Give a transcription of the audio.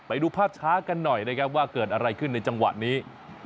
ไปดูภาพช้ากันหน่อยนะครับว่าเกิดอะไรขึ้นในจังหวะนี้